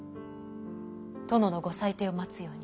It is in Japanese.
殿のご裁定を待つように。